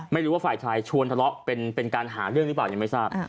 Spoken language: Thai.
ไม่รู้ว่าฝ่ายชายชวนทะเลาะเป็นการหาเรื่องหรือเปล่ายังไม่ทราบ